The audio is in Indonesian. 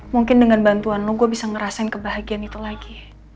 mungkin dengan bantuan lo gue bisa ngerasain kebahagiaan itu lagi